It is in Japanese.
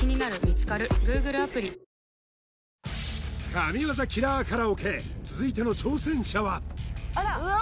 神業キラーカラオケ続いての挑戦者はうわ